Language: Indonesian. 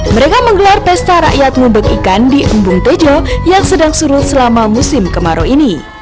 mereka menggelar pesta rakyat ngubek ikan di embung tejo yang sedang surut selama musim kemarau ini